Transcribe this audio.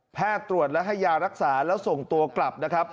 ตรวจและให้ยารักษาแล้วส่งตัวกลับนะครับ